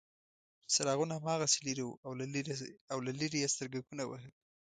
څراغونه هماغسې لرې وو او له لرې یې سترګکونه وهل.